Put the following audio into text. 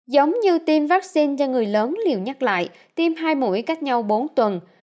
giống như tiêm vaccine do người lớn liều nhắc lại tiêm hai mũi cách nhau bốn tuần